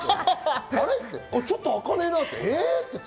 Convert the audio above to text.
ちょっと開かねえなぁって。